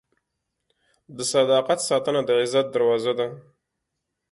د صداقت ساتنه د عزت دروازه ده.